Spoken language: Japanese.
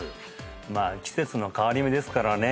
まあ季節の変わり目ですからね